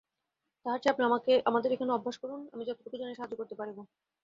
তাহার চেয়ে আপনি আমাদের এখানে অভ্যাস করুন–আমি যতটুকু জানি, সাহায্য করিতে পারিব।